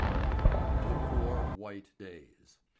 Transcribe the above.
] THE FOUR WHITE DAYS.